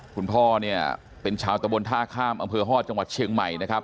คุณพ่อเนี่ยเป็นชาวตะบนท่าข้ามอำเภอฮอตจังหวัดเชียงใหม่นะครับ